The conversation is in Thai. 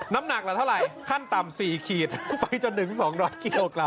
น้ำหนักละเท่าไหร่ขั้นต่ำ๔ขีดไปจนถึง๒๐๐กิโลกรั